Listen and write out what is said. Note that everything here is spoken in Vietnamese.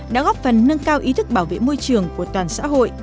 đã góp phần nâng cao ý thức bảo vệ môi trường của toàn xã hội